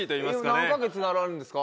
今何カ月になられるんですか？